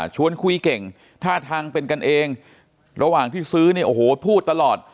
ชวนคุยเก่งท่าทางเป็นกันเองระหว่างที่ซื้อเนี่ยโอ้โหพูดตลอด